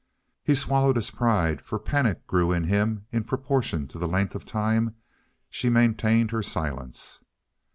He swallowed his pride, for panic grew in him in proportion to the length of time she maintained her silence.